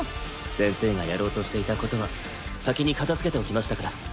先生がやろうとしていたことは先に片づけておきましたから。